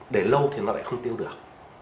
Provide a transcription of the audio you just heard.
để lâu thì nó lại không tiêu được